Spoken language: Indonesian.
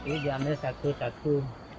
ini diambil satu satu